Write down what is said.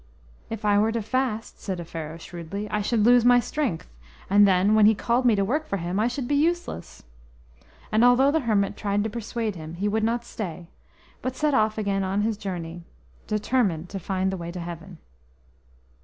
"If I were to fast," said Offero shrewdly, "I should lose my strength, and then, when He called me to work for Him, I should be useless." And although the hermit tried to persuade him, he would not stay, but set off again on his journey, determined to find the way to Heaven.